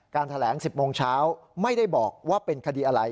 แถลง๑๐โมงเช้าไม่ได้บอกว่าเป็นคดีอะไร